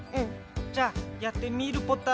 じゃあやってみるポタ。